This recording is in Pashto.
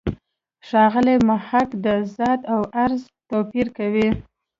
ښاغلی محق د «ذات» او «عرض» توپیر کوي.